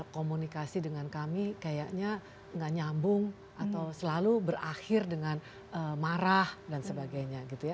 komunikasi dengan kami kayaknya enggak nyambung atau selalu berakhir dengan marah dan sebagainya